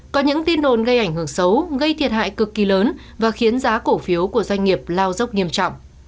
có những tin đồn gây ảnh hưởng xấu gây thiệt hại cực kỳ lớn và khiến giá cổ phiếu của doanh nghiệp lao dốc nghiêm trọng